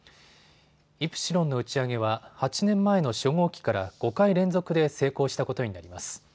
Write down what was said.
イプシロンの打ち上げは８年前の初号機から５回連続で成功したことになります。